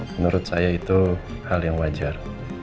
menurut saya itu hal yang wajar